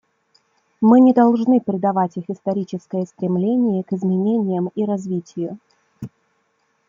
Мы не должны предавать их историческое стремление к изменениям и развитию.